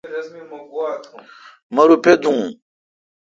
مہ روپہ دوں۔